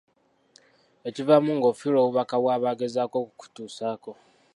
Ekivaamu ng'ofiirwa obubaka bw'aba agezaako okukutuusaako.